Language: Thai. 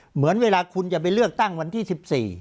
เหมือนเวลาคุณจะไปเลือกตั้งวันที่๑๔